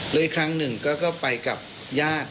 แล้วครั้งนึงก็ไปกับยาก